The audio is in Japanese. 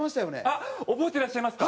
あっ覚えてらっしゃいますか？